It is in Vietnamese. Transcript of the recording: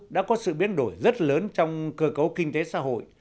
đã có sự biến đổi rất lớn trong cơ cấu kinh tế xã hội